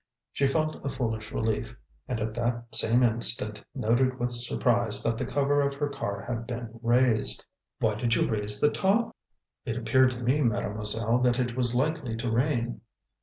She felt a foolish relief, and at the same instant noted with surprise that the cover of her car had been raised. "Why did you raise the top?" "It appeared to me, Mademoiselle, that it was likely to rain."